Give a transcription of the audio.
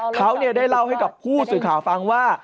เขาได้เล่าให้กับผู้สื่อข่าวฟังว่า